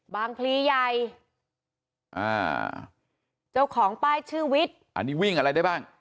พลีใหญ่อ่าเจ้าของป้ายชื่อวิทย์อันนี้วิ่งอะไรได้บ้าง